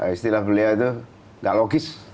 istilah beliau itu gak logis